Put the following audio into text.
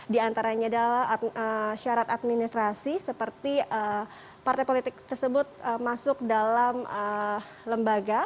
di antaranya adalah syarat administrasi seperti partai politik tersebut masuk dalam lembaga